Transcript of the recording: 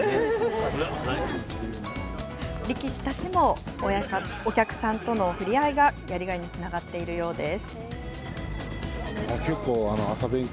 力士たちも、お客さんとの触れ合いがやりがいにつながっているようです。